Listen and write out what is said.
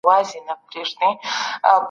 ایا د اوړو تغلول د ډوډۍ کیفیت او ګټه زیاتوي؟